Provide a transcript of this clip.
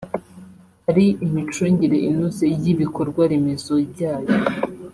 ari imicungire inoze y’ibikorwaremezo byayo